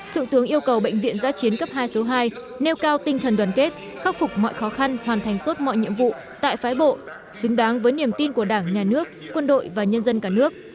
thượng tướng yêu cầu bệnh viện giã chiến cấp hai số hai nêu cao tinh thần đoàn kết khắc phục mọi khó khăn hoàn thành tốt mọi nhiệm vụ tại phái bộ xứng đáng với niềm tin của đảng nhà nước quân đội và nhân dân cả nước